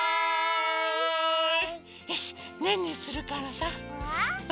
よしねんねするからさ。